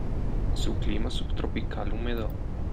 Su clima es subtropical húmedo.